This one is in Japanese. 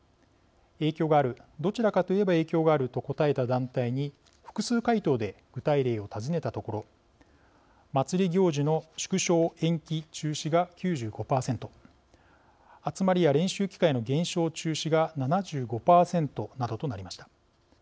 影響があるどちらかといえば影響があると答えた団体に複数回答で具体例を尋ねたところ祭り行事の縮小・延期・中止が９５％集まりや練習機会の減少・中止が７５％などとなりました。